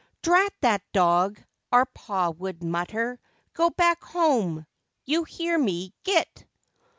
"Drat that dog!" our pa would mutter, "GO BACK HOME! You hear me? GIT!"